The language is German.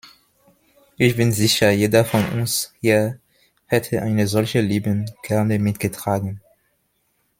Ich bin sicher, jeder von uns hier hätte eine solche liebend gerne mitgetragen.